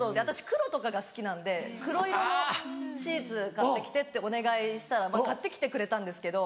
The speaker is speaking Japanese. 黒とかが好きなんで黒色のシーツ買って来てってお願いしたら買って来てくれたんですけど。